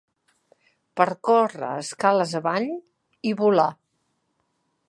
Per córrer escales avall, i volar